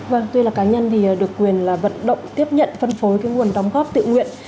vâng tuy là cá nhân thì được quyền là vận động tiếp nhận phân phối cái nguồn đóng góp tự nguyện